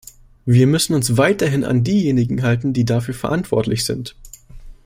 Wir müssen uns weiterhin an diejenigen halten, die dafür verantwortlich sind.